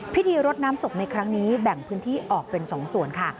พิธีรดน้ำศพในครั้งนี้แบ่งพื้นที่ออกเป็น๒ส่วนค่ะ